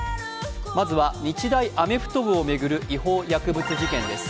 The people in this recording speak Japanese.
まずは日大アメフト部を巡る違法薬物事件です